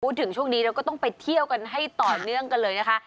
ช่วงนี้เราก็ต้องไปเที่ยวกันให้ต่อเนื่องกันเลยนะคะ